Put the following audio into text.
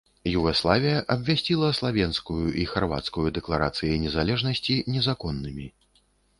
Югаславія абвясціла славенскую і харвацкую дэкларацыі незалежнасці незаконнымі.